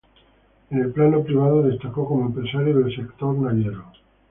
En el plano privado, destacó como empresario del sector naviero.